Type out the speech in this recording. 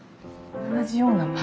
同じようなもの？